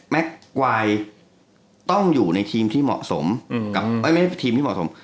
กวายต้องอยู่ในทีมที่เหมาะสมกับไม่ได้ทีมที่เหมาะสม